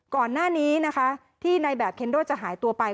ก่อนหน้านี้นะคะที่ในแบบเคนโดจะหายตัวไป